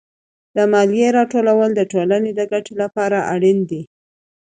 د مالیې راټولول د ټولنې د ګټې لپاره اړین دي.